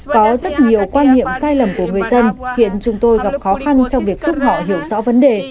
có rất nhiều quan niệm sai lầm của người dân khiến chúng tôi gặp khó khăn trong việc giúp họ hiểu rõ vấn đề